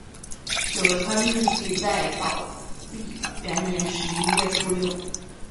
德川治济在宝历元年十一月初六。